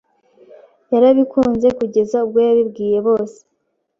yarabikunze kugeza ubwo yabibwiye bose